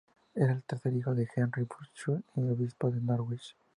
Era el tercer hijo de Henry Bathurst, obispo de Norwich.